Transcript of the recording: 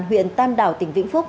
huyện tam đảo tỉnh vĩnh phúc